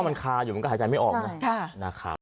มันคะอยู่ไม่ให้หายใจไม่ออก